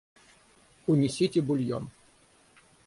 Унесите бульон.